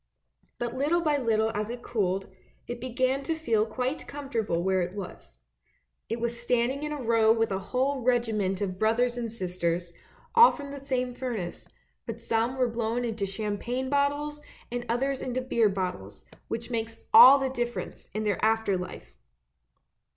But little by little as it cooled, it began to feel quite comfortable where it was. It was standing in a row with a whole regiment of brothers and sisters, all from the same furnace, but some were blown into champagne bottles, and others into beer bottles, which makes all the difference in their after life!